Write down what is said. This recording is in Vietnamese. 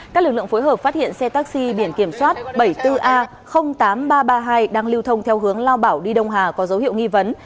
các lực lượng phối hợp phát hiện xe taxi biển kiểm soát bảy mươi bốn a tám nghìn ba trăm ba mươi hai đang lưu thông theo hướng lao bảo đi đông hà có dấu hiệu nghi vấn